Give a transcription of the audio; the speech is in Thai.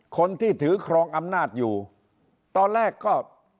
คนที่ถือครองอำนาจอยู่ตอนแรกก็